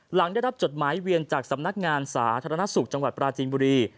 หลังได้รับจดหมายเวียนจากสำนักงานสาธารณสุขจังหวัดปราจีนบุรี